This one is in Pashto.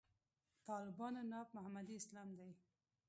طالبانو ناب محمدي اسلام دی.